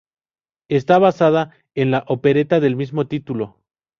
Está basada en la opereta del mismo título.